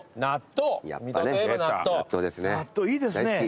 納豆いいですね。